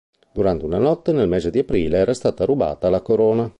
Durante una notte nel mese di aprile era stata rubata la "corona".